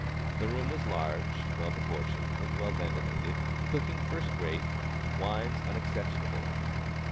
The room was large, well proportioned, and well ventilated, cooking first rate, wines unexceptionable.